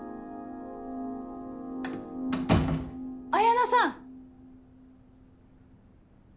彩菜さん！